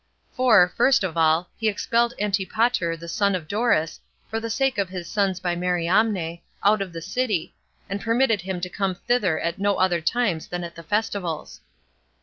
For, first of all, he expelled Antipater the son of Doris, for the sake of his sons by Mariamne, out of the city, and permitted him to come thither at no other times than at the festivals.